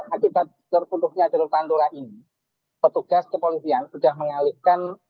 akibat terputuhnya jalur pantura ini petugas kepolisian sudah mengalihkan